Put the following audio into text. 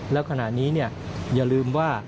แล้วขณะนี้อย่าลืมว่า